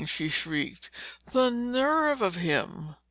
she shrieked. "The nerve of him!"